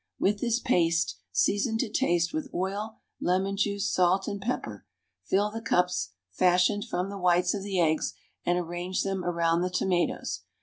With this paste, seasoned to taste with oil, lemon juice, salt and pepper, fill the cups fashioned from the whites of the eggs, and arrange them around the tomatoes.